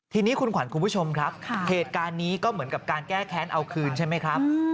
ทีนี้คุณขวัญคุณผู้ชมครับเหตุการณ์นี้ก็เหมือนกับการแก้แค้นเอาคืนใช่ไหมครับ